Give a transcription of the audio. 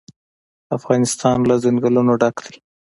افغانستان له ځنګلونه ډک دی.